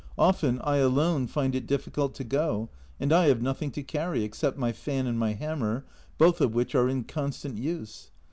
Often I alone find it difficult to go, and I have nothing to carry except my fan and my hammer, both of which are in constant use.